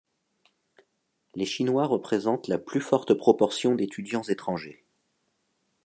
Les Chinois représentent la plus forte proportion d'étudiants étrangers.